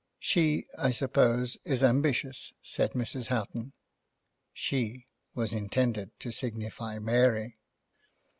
"She, I suppose, is ambitious," said Mrs. Houghton. 'She,' was intended to signify Mary.